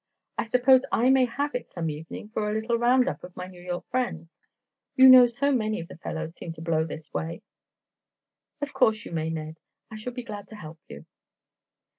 I suppose I may have it some evening for a little round up of my New York friends? You know so many of the fellows seem to blow this way." "Of course you may, Ned. I shall be glad to help you."